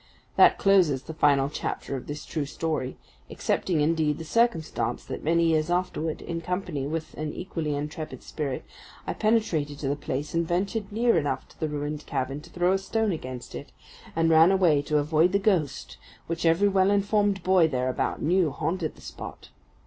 That closes the final chapter of this true story excepting, indeed, the circumstance that many years afterward, in company with an equally intrepid spirit, I penetrated to the place and ventured near enough to the ruined cabin to throw a stone against it, and ran away to avoid the ghost which every well informed boy thereabout knew haunted the spot.